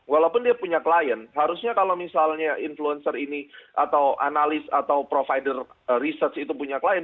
walaupun dia punya klien harusnya kalau misalnya influencer ini atau analis atau provider research itu punya klien